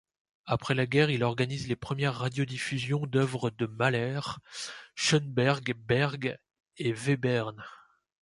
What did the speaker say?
Après guerre, il organise les première radiodiffusions d'œuvres de Mahler, Schönberg, Berg et Webern.